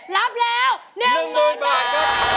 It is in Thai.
รับแล้วเรืองหมื่นบาท